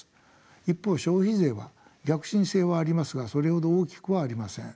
一方消費税は逆進性はありますがそれほど大きくはありません。